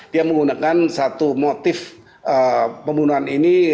dia menggunakan satu motif pembunuhan ini